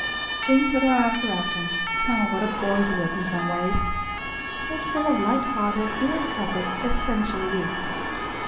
Jane put her arms around him. Ah, what a boy he was in some ways! How full of light hearted, irrepressible, essential youth.